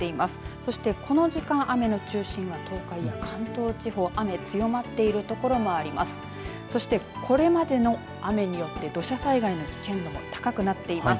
そしてこの時間雨の中心は東海や関東地方雨強まっている所もあります。